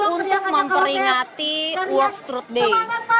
untuk memperingati world stroot day